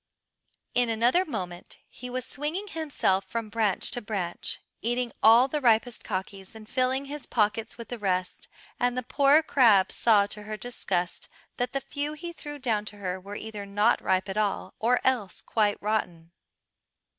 In another moment he was swinging himself from branch to branch, eating all the ripest kakis and filling his pockets with the rest, and the poor crab saw to her disgust that the few he threw down to her were either not ripe at all or else quite rotten.